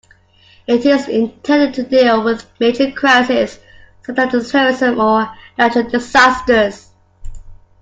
It is intended to deal with major crises such as terrorism or natural disasters.